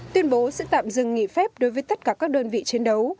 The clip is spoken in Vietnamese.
tuyên bố sẽ tạm dừng nghỉ phép đối với tất cả các đơn vị chiến đấu